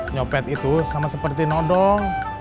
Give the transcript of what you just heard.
nyopet itu sama seperti nodong